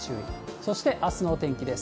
そしてあすのお天気です。